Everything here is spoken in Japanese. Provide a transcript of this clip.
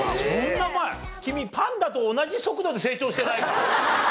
君パンダと同じ速度で成長してないか？